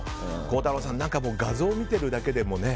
孝太郎さん何か画像を見ているだけでもね。